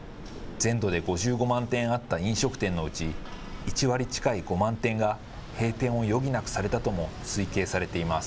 全土で５５万店あった飲食店のうち、１割近い５万店が閉店を余儀なくされたとも推計されています。